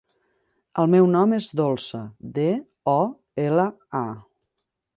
El meu nom és Dolça: de, o, ela, a.